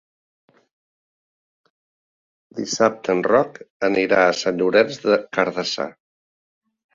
Dissabte en Roc anirà a Sant Llorenç des Cardassar.